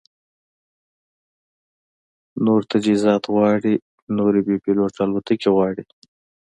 نور تجهیزات غواړي، نورې بې پیلوټه الوتکې غواړي